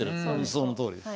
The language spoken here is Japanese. そのとおりです。